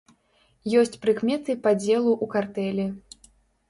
Ёсць прыкметы падзелу ў картэлі.